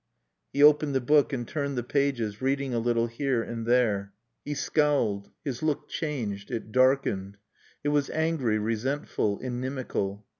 He opened the book and turned the pages, reading a little here and there. He scowled. His look changed. It darkened. It was angry, resentful, inimical.